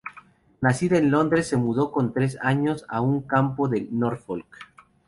Nacida en Londres, se mudó con tres años, a un campo de Norfolk.